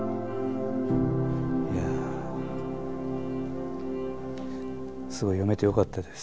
いやすごい読めてよかったです。